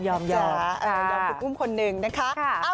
ยอมคุณอุ้มคนหนึ่งนะคะ